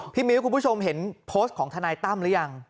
มิ้วคุณผู้ชมเห็นโพสต์ของทนายตั้มหรือยัง